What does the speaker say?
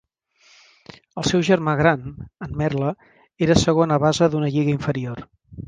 El seu germà gran, en Merle, era segona base d'una lliga inferior.